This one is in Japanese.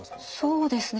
そうですね